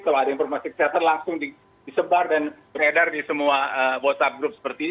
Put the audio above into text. kalau ada informasi kesehatan langsung disebar dan beredar di semua whatsapp group seperti ini